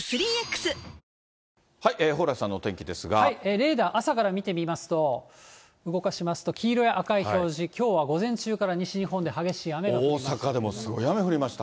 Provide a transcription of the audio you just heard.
レーダー、朝から見てみますと、動かしますと、黄色や赤い表示、きょうは午前中から西日本で激しい雨が降っています。